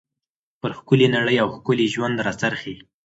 پر ښکلى نړۍ او ښکلي ژوند را څرخي.